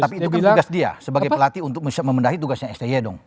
tapi itu kan tugas dia sebagai pelatih untuk memendahi tugasnya sti dong